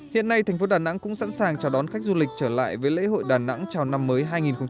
hiện nay thành phố đà nẵng cũng sẵn sàng chào đón khách du lịch trở lại với lễ hội đà nẵng chào năm mới hai nghìn hai mươi